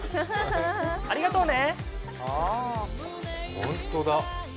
ありがとうね。